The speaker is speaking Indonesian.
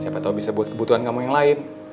siapa tahu bisa buat kebutuhan kamu yang lain